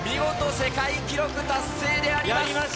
世界記録達成であります。